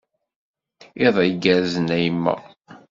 Iḍ igerrzen a yemma!